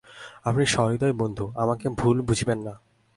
আপনি সহৃদয় বন্ধু, আমাকে ভুল বুঝিবেন না।